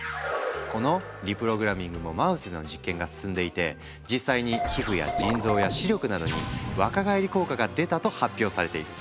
このリプログラミングもマウスでの実験が進んでいて実際に皮膚や腎臓や視力などに若返り効果が出たと発表されている。